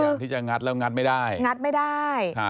พยายามที่จะงัดแล้วงัดไม่ได้